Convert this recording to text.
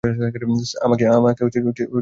আমাকে ন্যায় দিন।